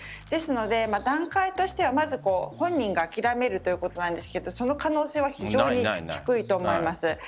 ですので、段階としてはまず本人が諦めるということなんですがその可能性は非常に低いと思います。